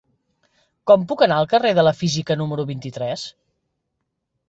Com puc anar al carrer de la Física número vint-i-tres?